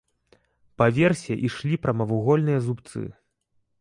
Па версе ішлі прамавугольныя зубцы.